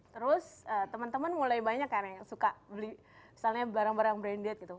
terus temen temen mulai banyak kan yang suka beli misalnya barang barang branded gitu